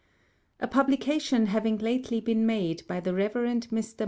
A Publication having lately been made by the Rev. Mr.